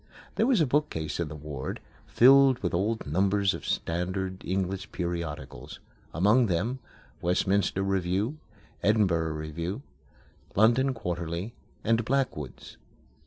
There was a bookcase in the ward, filled with old numbers of standard English periodicals; among them: Westminster Review, Edinburgh Review, London Quarterly, and Blackwood's.